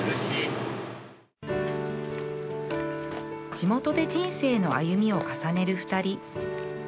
地元で人生の歩みを重ねる２人